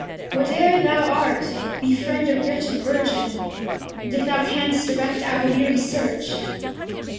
What e'er thou art, befriend a wretched Virgin, And, if thou canst, direct our weary Search.